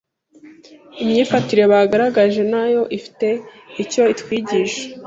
imyifatire bagaragaje na yo ifite icyo itwigisha